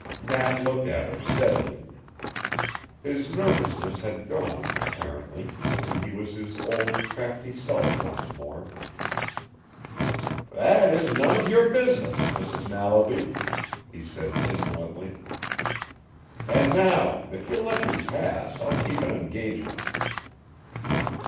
Nat looked at her steadily. His nervousness had gone, apparently, and he was his old crafty self once more. "That is none of your business, Mrs. Mallaby," he said insolently. "And now if you'll let me pass I'll keep an engagement."